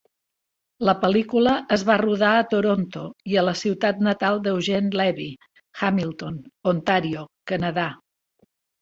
La pel·lícula es va rodar a Toronto i a la ciutat natal d'Eugene Levy, Hamilton, Ontario, Canadà.